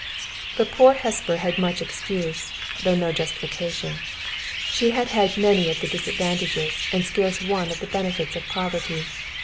But poor Hesper had much excuse, though no justification. She had had many of the disadvantages and scarce one of the benefits of poverty.